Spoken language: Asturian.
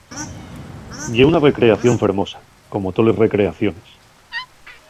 Ye una recreación fermosa, como toles recreaciones.